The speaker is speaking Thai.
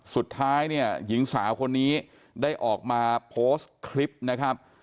สุดท้ายเนี่ยหญิงสาวคนนี้ได้ออกมาโพสต์คลิปนะครับ